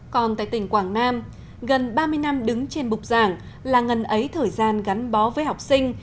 còn tại tỉnh quảng nam gần ba mươi năm đứng trên bục giảng là ngần ấy thời gian gắn bó với học sinh